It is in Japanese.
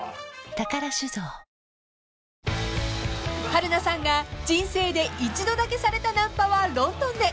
［春菜さんが人生で一度だけされたナンパはロンドンで。